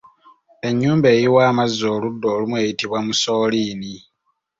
Ennyumba eyiwa amazzi oludda olumu eyitibwa Musooliini.